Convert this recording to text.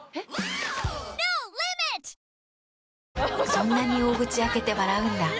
そんなに大口開けて笑うんだ。